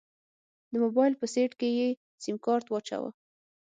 د موبايل په سيټ کې يې سيمکارت واچوه.